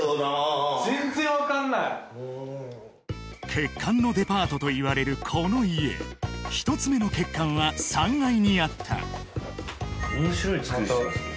欠陥のデパートといわれるこの家１つ目の欠陥は３階にあった面白い造りしてますね